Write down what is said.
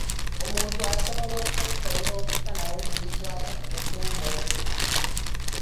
Omuntu asobola okwekolera okusalawo ku bikwata ku bufumbo bwe.